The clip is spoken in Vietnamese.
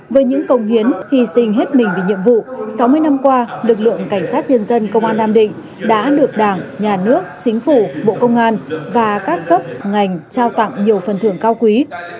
với những công hiến hy sinh hết mình vì nhiệm vụ sáu mươi năm qua lực lượng cảnh sát nhân dân công an nam định đã được đảng nhà nước chính phủ bộ công an và các cấp ngành trao tặng nhiều phần thưởng cao quý